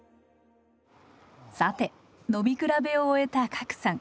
さて飲みくらべを終えた加来さん。